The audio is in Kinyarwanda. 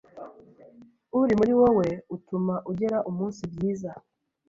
uri muri wowe utuma ugera umunsi byiza.